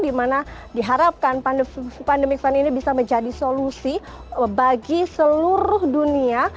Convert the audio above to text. di mana diharapkan pandemic fund ini bisa menjadi solusi bagi seluruh dunia